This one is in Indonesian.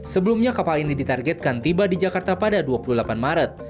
sebelumnya kapal ini ditargetkan tiba di jakarta pada dua puluh delapan maret